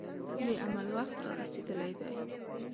د عمل وخت را رسېدلی دی.